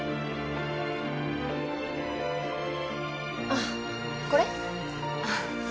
あっこれ？